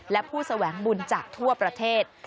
และผู้แสวงบุญจากทั่วประเทศ